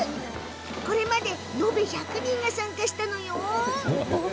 これまで延べ１００人が参加しました。